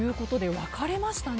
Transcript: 分かれましたね。